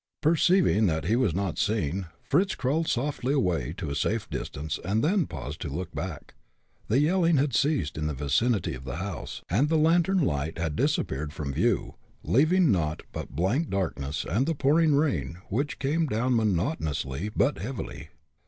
Perceiving that he was not seen, Fritz crawled softly away to a safe distance, and then paused to gaze back. The yelling had ceased in the vicinity of the house, and the lantern light had disappeared from view, leaving naught but blank darkness and the pouring rain, which came down monotonously but heavily.